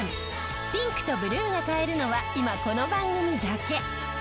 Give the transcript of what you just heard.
ピンクとブルーが買えるのは今この番組だけ！